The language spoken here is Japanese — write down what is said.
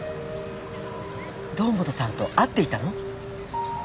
堂本さんと会っていたの？